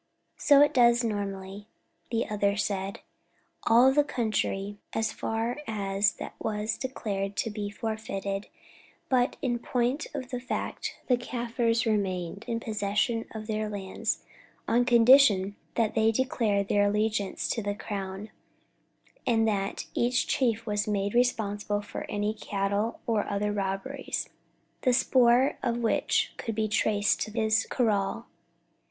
"So it does nominally," the other said. "All the country as far as that was declared to be forfeited; but in point of fact the Kaffirs remained in possession of their lands on condition that they declared their allegiance to the Crown, and that each chief was made responsible for any cattle or other robberies, the spoor of which could be traced to his kraal.